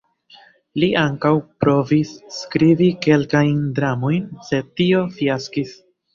Li ankaŭ provis skribi kelkajn dramojn, sed tio fiaskis.